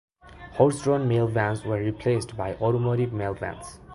Horse-drawn mail vans were replaced by automotive mail vans.